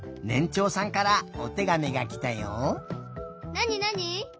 なになに？